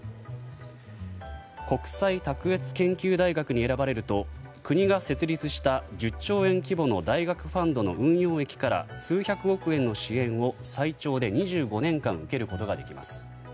国際卓越研究大学に選ばれると国が設立した１０兆円規模の大学ファンドの運用益から数百億円の支援を最長で２５年間受けることができます。